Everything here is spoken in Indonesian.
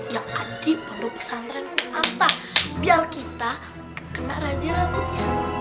yang ada di panggung pesantren antar biar kita kena razia rambutnya